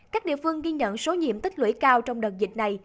các địa phương ghi nhận số nhiễm tích lưỡi cao trong đợt dịch này